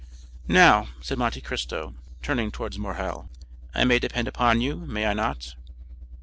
"Now," said Monte Cristo, turning towards Morrel, "I may depend upon you, may I not?"